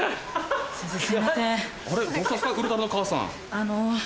あの。